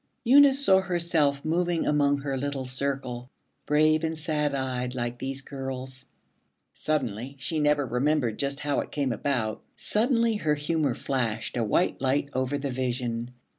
Eunice saw herself moving among her little circle, brave and sad eyed like these girls. Suddenly she never remembered just how it came about suddenly her humor flashed a white light over the vision.